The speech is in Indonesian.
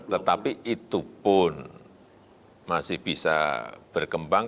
tetapi itu pun masih bisa berkembang